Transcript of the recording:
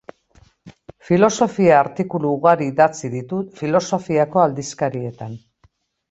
Filosofia-artikulu ugari idatzi ditu filosofiako aldizkarietan.